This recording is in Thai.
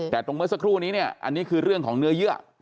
แต่ตรงเมื่อสักครู่นี้เนี่ยอันนี้คือเรื่องของเนื้อเยื่อ